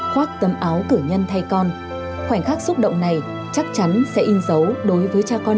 khoác tấm áo cử nhân thay con khoảnh khắc xúc động này chắc chắn sẽ in dấu đối với cha con